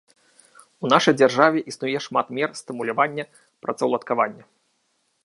У нашай дзяржаве існуе шмат мер стымулявання працаўладкавання.